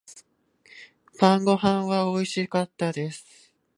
晩御飯は美味しかったです。